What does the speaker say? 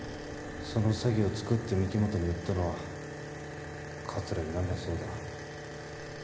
その詐欺を作って御木本に売ったのは桂木なんだそうだ